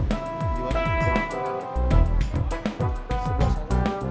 semarang semarang semarang